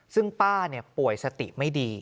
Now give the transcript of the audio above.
ซึ่งป้าเนี่ยป่วยสติไม่ดี